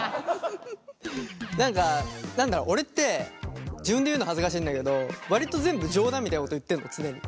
何か何だろ俺って自分で言うの恥ずかしいんだけど割と全部冗談みたいなこと言ってんの常に。